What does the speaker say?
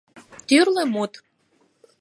Тӱрлӧ мут.